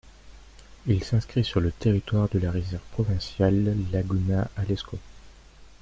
Il s'inscrit sur le territoire de la réserve provinciale Laguna Aleusco.